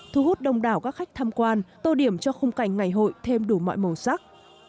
thu hút đông đảo các khách tham quan tô điểm cho khung cảnh ngày hội thêm đủ mọi màu sắc